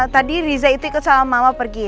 tadi riza itu ikut sama mama pergi